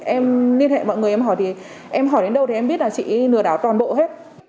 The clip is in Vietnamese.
em liên hệ mọi người em hỏi thì em hỏi đến đâu thì em biết là chị lừa đảo toàn bộ hết